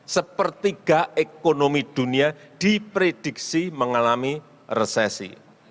sepertiga ekonomi dunia diprediksi mengalami resesi